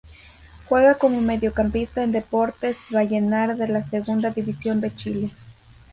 Juega como mediocampista en Deportes Vallenar de la Segunda División de Chile.